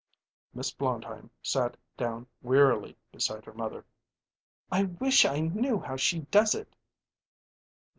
Miss Blondheim sat down wearily beside her mother. "I wish I knew how she does it."